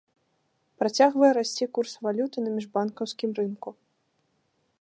Працягвае расці курс валют і на міжбанкаўскім рынку.